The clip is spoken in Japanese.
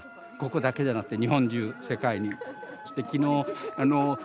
ここだけじゃなくて日本中世界に。